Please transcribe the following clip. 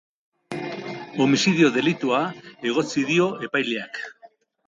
Homizidio delitua egotzi dio epaileak.